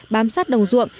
bám sát đồng ruộng